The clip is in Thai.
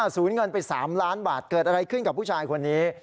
สูญเงินไป๓ล้านบาทเกิดอะไรขึ้นกับผู้ชายคนนี้